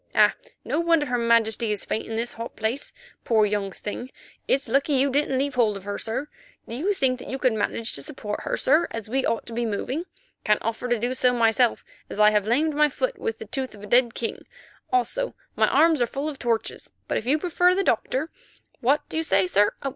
Ah! no wonder her Majesty is faint in this hot place, poor young thing. It's lucky you didn't leave hold of her, sir. Do you think you could manage to support her, sir, as we ought to be moving. Can't offer to do so myself, as I have lamed my foot with the tooth of a dead king, also my arms are full of torches. But if you prefer the Doctor—what do you say, sir?